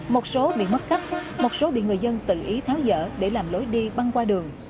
một số bị mất cắp một số bị người dân tự ý tháo dỡ để làm lưới đi băng qua đường